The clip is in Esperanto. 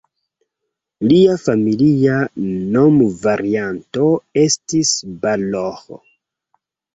Lia familia nomvarianto estis "Balogh".